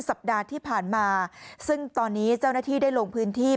สัปดาห์ที่ผ่านมาซึ่งตอนนี้เจ้าหน้าที่ได้ลงพื้นที่